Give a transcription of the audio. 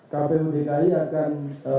kppu dki akan